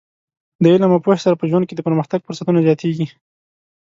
د علم او پوهې سره په ژوند کې د پرمختګ فرصتونه زیاتېږي.